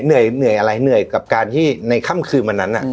เหนื่อยอะไรเหนื่อยกับการที่ในค่ำคืนวันนั้น